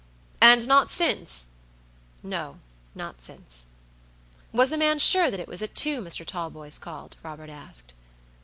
"And not since?" "No, not since." Was the man sure that it was at two Mr. Talboys called? Robert asked.